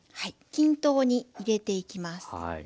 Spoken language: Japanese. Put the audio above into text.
均等に入れていきます。